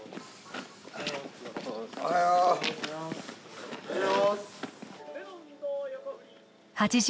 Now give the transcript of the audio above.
おはよう・おはようございます